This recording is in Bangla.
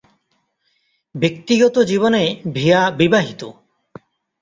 ব্যক্তিগত জীবনে ভিয়া বিবাহিত।